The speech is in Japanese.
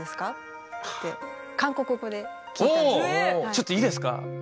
ちょっといいですか？